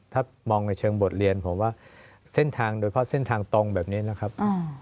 ถ้ามองในเชิงบทเรียนผมว่าเส้นทางโดยเพราะเส้นทางตรงแบบนี้นะครับ